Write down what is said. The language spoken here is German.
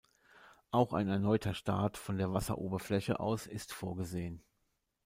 Auch ein erneuter Start von der Wasseroberfläche aus ist vorgesehen.